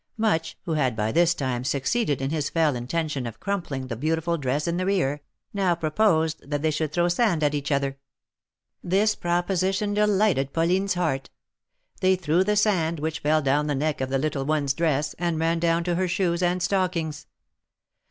Much, who had by this time succeeded in his fell inten tion of crumpling the beautiful dress in the rear, now proposed that they should throw sand at each other. This proposition delighted Pauline^s heart. They threw the sand, which fell down the neck of the little one's dress, and ran down to her shoes and stockings.